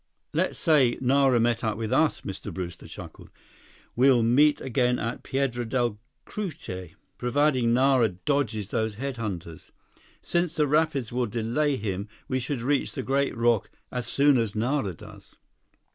"Let's say that Nara met up with us," Mr. Brewster chuckled. "We'll meet again at Piedra Del Cucuy, provided Nara dodges those head hunters. Since the rapids will delay him, we should reach the great rock as soon as Nara does."